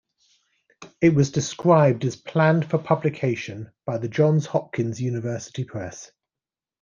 It was described as planned for publication by the Johns Hopkins University Press.